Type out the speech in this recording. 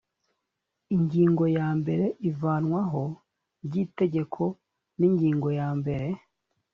ingingo ya mbere ivanwaho ry’itegeko n’ingingo ya mbere